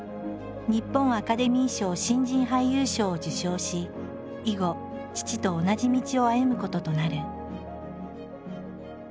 日本アカデミー賞新人俳優賞を受賞し以後父と同じ道を歩むこととなる。